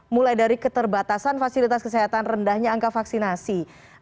mulai dari keterbatasan fasilitas kesehatan rendahnya angka vaksinasi